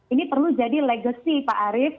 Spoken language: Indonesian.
ini perlu jadi legacy pak arief